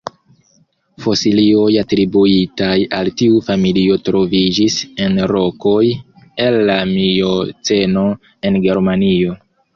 Fosilioj atribuitaj al tiu familio troviĝis en rokoj el la Mioceno en Germanio.